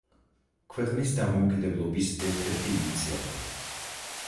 ქვეყნის დამოუკიდებლობის ერთ-ერთი ინიციატორი.